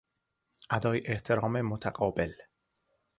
ادای احترام متقابل